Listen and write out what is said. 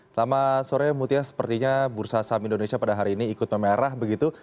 selamat sore mutia sepertinya bursa saham indonesia pada hari ini ikut memerah begitu